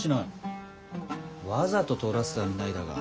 わざと取らせたみたいだが。